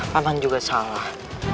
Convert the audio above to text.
pak man juga salah